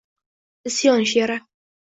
Isyon she’ri